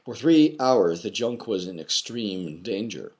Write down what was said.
For three hours the junk was in extreme dan ger.